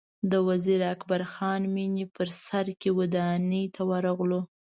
د وزیر اکبر خان مېنې په سر کې ودانۍ ته ورغلو.